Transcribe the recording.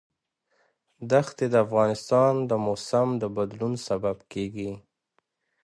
دښتې د افغانستان د موسم د بدلون سبب کېږي.